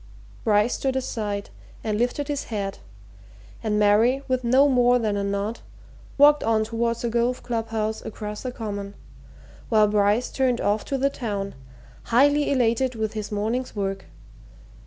Bryce stood aside and lifted his hat, and Mary, with no more than a nod, walked on towards the golf club house across the Common, while Bryce turned off to the town, highly elated with his morning's work.